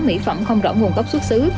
mỹ phẩm không rõ nguồn gốc xuất xứ